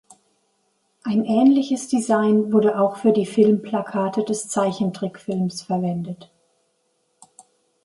Ein ähnliches Design wurde auch für die Filmplakate des Zeichentrickfilms verwendet.